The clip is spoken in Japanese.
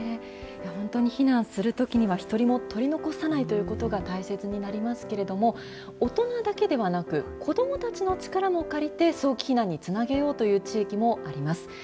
本当に避難するときには、一人も取り残さないということが大切になりますけれども、大人だけではなく、子どもたちの力も借りて、早期避難につなげようという地域もあります。